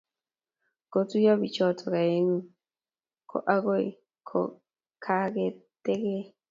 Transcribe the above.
kotuiyo biichoto aengu ko agoi kogagategei